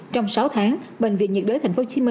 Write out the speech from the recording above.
trong sáu tháng bệnh viện nhiệt đới tp hcm